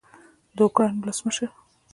د اوکراین ولسمشر